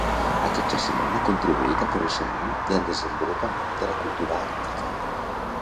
Aquest jaciment ha contribuït al coneixement del desenvolupament de la cultura àrtica.